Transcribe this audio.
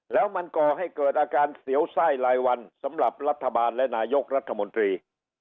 แล้วมันก่อให้เกิดอาการเสียวไส้รายวันสำหรับรัฐบาลและนายกรัฐมนตรี